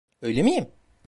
Öyle miyim?